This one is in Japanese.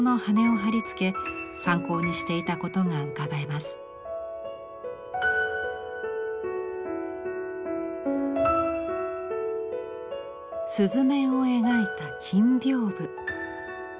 すずめを描いた金屏風。